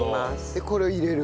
でこれを入れる？